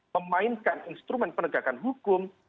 memainkan instrumen pendekatan hukum